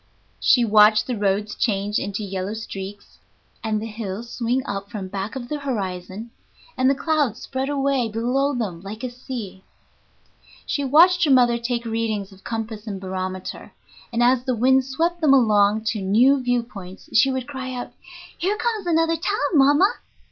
She watched the roads change into yellow streaks, and the hills swing up from back of the horizon, and the clouds spread away below them like a sea. She watched her mother take readings of compass and barometer, and as the wind swept them along to new view points she would cry out, "Here comes another town, mama!"